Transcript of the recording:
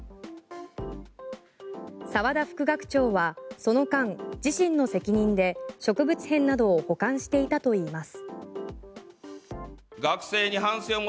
澤田副学長はその間自身の責任で植物片などを保管していたといいます。